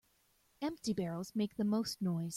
Empty barrels make the most noise.